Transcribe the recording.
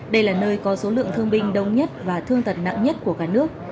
đây là nơi có số lượng thương binh đông nhất và thương tật nặng nhất của cả nước